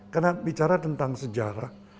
karena bicara tentang sejarah